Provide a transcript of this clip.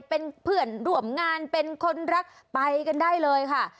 เป็นเพื่อนร่วมงานเป็นคนรักไปกันได้เลยค่ะ